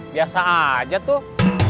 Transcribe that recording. biasa aja tuh